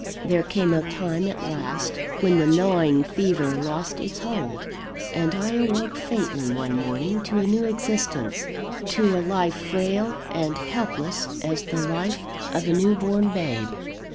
There came a time, at last, when the gnawing fever lost its hold; and I awoke faintly one morning to a new existence to a life frail and helpless as the life of a new born babe.